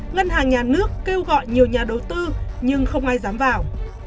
ngân hàng nhà nước kêu gọi nhiều nhà đầu tư nhưng không ai dám vào